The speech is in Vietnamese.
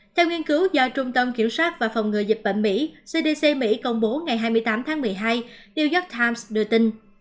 theo nghiên cứu do trung tâm kiểm soát và phòng ngừa dịch bệnh mỹ cdc mỹ công bố ngày hai mươi tám tháng một mươi hai new york times đưa tin